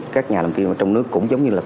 các nhà làm phim ở trong nước cũng giống như là